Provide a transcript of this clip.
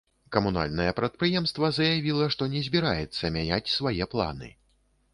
Камунальнае прадпрыемства заявіла, што не збіраецца мяняць свае планы.